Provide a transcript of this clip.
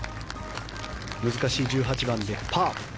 難しい１８番でパー。